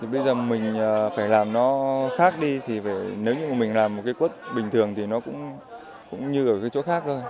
bây giờ mình phải làm nó khác đi thì nếu như mình làm một cái quất bình thường thì nó cũng như ở cái chỗ khác thôi